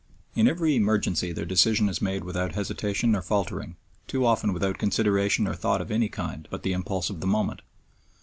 In every emergency their decision is made without hesitation or faltering, too often without consideration or thought of any kind but the impulse of the moment.